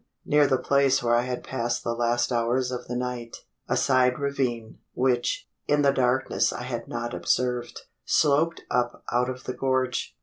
Near the place where I had passed the last hours of the night, a side ravine which, in the darkness I had not observed sloped up out of the gorge.